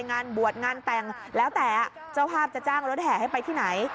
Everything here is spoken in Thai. งานบวชงานแต่งแล้วแต่เจ้าภาพจะจ้างรถแห่ให้ไปที่ไหน